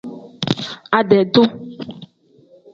Ade-duu.